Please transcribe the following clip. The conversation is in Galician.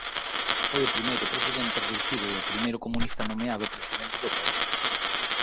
Foi o primeiro presidente reelixido e o primeiro comunista nomeado presidente do país.